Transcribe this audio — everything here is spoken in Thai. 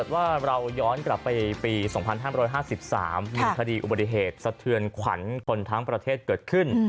ว่าเราย้อนกลับไปปี๒๕๕๓มีคดีอุบัติเหตุสะเทือนขวัญคนทั้งประเทศเกิดขึ้น